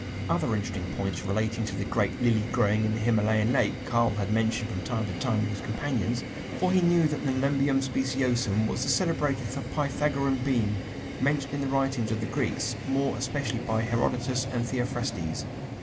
Other interesting points relating to the great lily growing in the Himalayan lake, Karl had mentioned from time to time to his companions: for he knew that the Nelumbium speciosum was the celebrated Pythagorean bean mentioned in the writings of the Greeks more especially by Herodotus and Theophrastes.